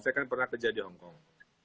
saya kan pernah kerja di hong kong